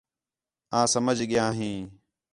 آں سمجھ ڳیا ہیں